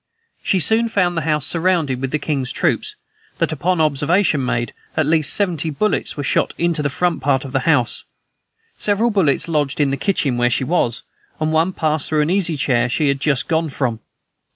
She soon found the house surrounded with the king's troops; that upon observation made, at least seventy bullets were shot into the front part of the house; several bullets lodged in the kitchen where she was, and one passed through an easy chair she had just gone from.